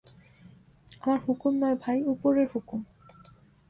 আমার হুকুম নয় ভাই, উপরের হুকুম।